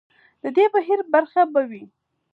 د دې بهیر برخه به وي.